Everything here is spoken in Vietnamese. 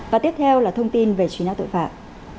và tiếp theo là thông tin về truy nã tội phạm